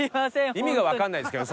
意味がわからないですけどね。